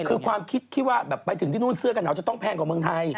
คือความคิดที่ว่าแบบไปถึงที่นู่นเสื้อกระหนาวจะต้องแพงกว่าเมืองไทย